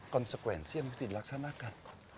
konsekuensi yang harus dilaksanakan